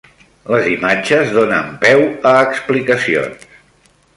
Les imatges donen peu a explicacions.